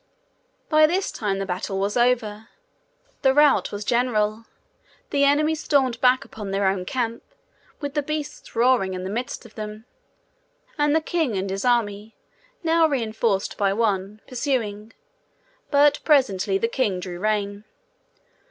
By this time the battle was over. The rout was general. The enemy stormed back upon their own camp, with the beasts roaring in the midst of them, and the king and his army, now reinforced by one, pursuing. But presently the king drew rein.